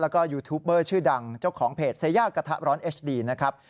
แล้วก็ยูทูปเบอร์ชื่อดังเจ้าของเพจเซย่ากระทะร้อนเอชดีนะครับ